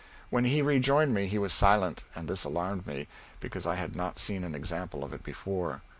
When he rejoined me he was silent, and this alarmed me, because I had not seen an example of it before.